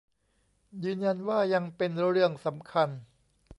ยืนยันว่ายังเป็นเรื่องสำคัญ